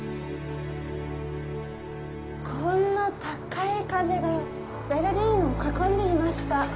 こんな高い壁がベルリンを囲んでいました。